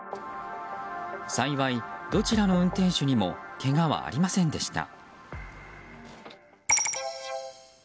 幸いどちらの運転手にもけがはありませんでした。